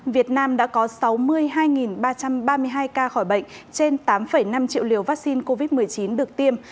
việt nam đã có sáu mươi hai ba trăm ba mươi hai ca khỏi bệnh trên tám năm triệu liều vaccine covid một mươi chín được tiêm